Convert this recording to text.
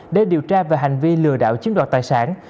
để điều tra về hành vi lừa đảo chiếm đoạt tài sản